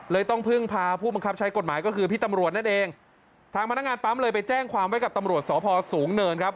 ต้องพึ่งพาผู้บังคับใช้กฎหมายก็คือพี่ตำรวจนั่นเองทางพนักงานปั๊มเลยไปแจ้งความไว้กับตำรวจสพสูงเนินครับ